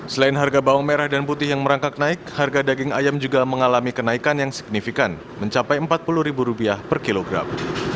selain harga bawang merah dan putih yang merangkak naik harga daging ayam juga mengalami kenaikan yang signifikan mencapai rp empat puluh per kilogram